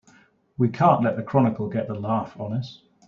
We can't let the Chronicle get the laugh on us!